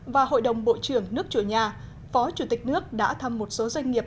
và hội đồng bộ trưởng nước chủ nhà phó chủ tịch nước đã thăm một số doanh nghiệp